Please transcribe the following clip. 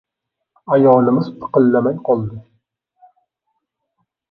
Ayolimiz piqillamay qoldi.